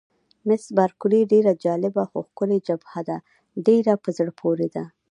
مس بارکلي: ډېره جالبه، خو ښکلې جبهه ده، ډېره په زړه پورې ده.